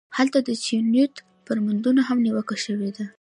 هلته د چینوت پر موندنو هم نیوکه شوې ده.